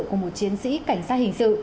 của một chiến sĩ cảnh sát hình sự